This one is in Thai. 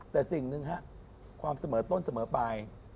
แต่สิ่งหนึ่งฮะความเสมอต้นเสมอไป